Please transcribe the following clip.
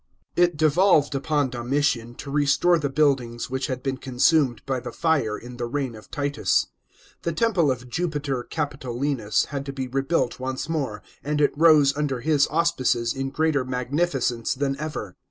§ 22. It devolved upon Domitian to restore the buildings which had been consumed by the fire in the reign of Titus. The temple of Jupiter Capitolinus had to be rebuilt once more, and it rose under his auspices in greater magnificence than ever.